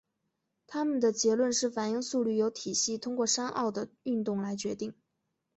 他们的结论是反应速率由体系通过山坳的运动来决定。